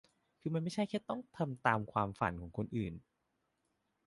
คือมันไม่ใช่แค่ต้องทำตามฝันของคนอื่น